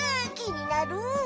きになる。